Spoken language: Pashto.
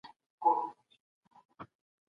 انسان له ټولني اغېزمنېږي.